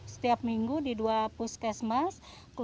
setiap minggu di dua puskesmas